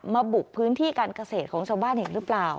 บุกพื้นที่การเกษตรของชาวบ้านอีกหรือเปล่า